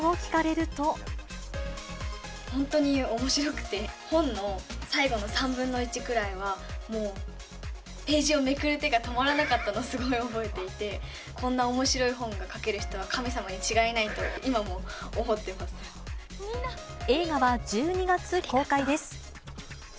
本当におもしろくて、本の最後の３分の１くらいは、もうページをめくる手が止まらなかったのをすごい覚えていて、こんなおもしろい本がかける人は、神様に違いないと、今も思ってま映画は１２月公開です。